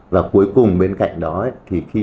và cuối cùng bên cạnh đó thì khi